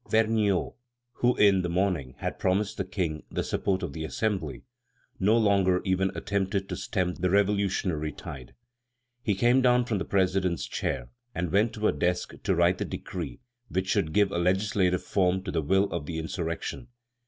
Vergniaud, who in the morning had promised the King the support of the Assembly, no longer even attempted to stem the revolutionary tide. He came down from the president's chair, and went to a desk to write the decree which should give a legislative form to the will of the insurrection.